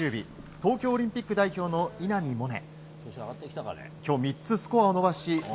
東京オリンピック代表の稲見萌寧。